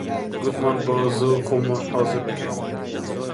گوتمان با زوو خۆمان حازر بکەین